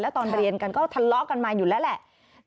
ตอนเรียนกันก็ทะเลาะกันมาอยู่แล้วแหละ